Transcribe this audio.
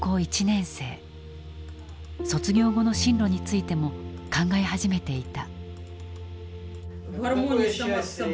卒業後の進路についても考え始めていた。